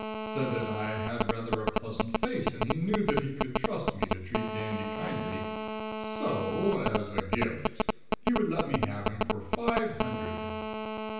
Said that I had a rather pleasant face and he knew that he could trust me to treat Dandy kindly; so as a gift he would let me have him for five hundred.